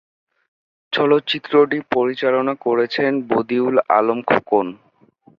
চলচ্চিত্রটি পরিচালনা করেছেন বদিউল আলম খোকন।